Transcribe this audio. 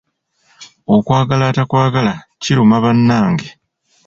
Okwagala atakwagala kiruma bannange!